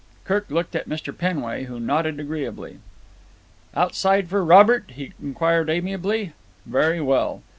Kirk looked at Mr. Penway, who nodded agreeably. "Outside for Robert?" he inquired amiably. "Very well.